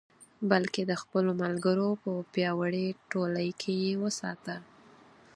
بلکې د خپلو ملګرو په پیاوړې ټولۍ کې یې وساته.